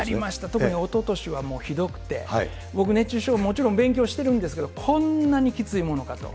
特におととしはもうひどくて、僕、熱中症、もちろん勉強してるんですけど、こんなにきついものかと。